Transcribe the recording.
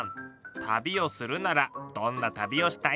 旅をするならどんな旅をしたいですか？